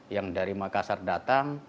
yang dari makassar datang